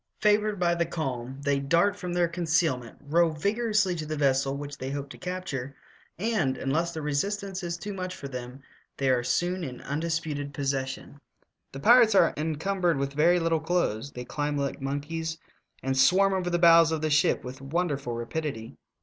Favored by the calm, they dart from their conceal ment, row vigorously to the vessel which they hope to capture, and, unless the resistance is too much for them, they are soon in undisputed possession. The pirates are encumbered with very little clothes ; they climb like monkeys, and swarm over the bows of the ship with wonderful rapidity.